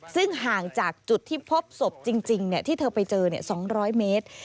ซึ่งห่างจากจุดที่พบศพจริงที่เธอไปเจอ๒๐๐เมตร